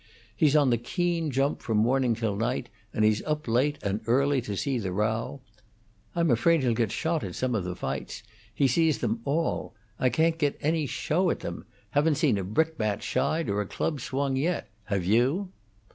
He's on the keen jump from morning till night, and he's up late and early to see the row. I'm afraid he'll get shot at some of the fights; he sees them all; I can't get any show at them: haven't seen a brickbat shied or a club swung yet. Have you?"